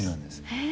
へえ。